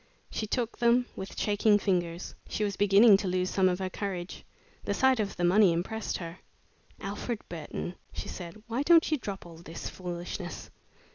She took them with shaking fingers. She was beginning to lose some of her courage. The sight of the money impressed her. "Alfred Burton," she said, "why don't you drop all this foolishness?